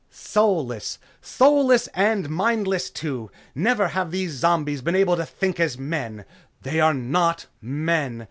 "Soulless! Soulless and mindless, too. Never have these zombies been able to think as men!" "They are not men."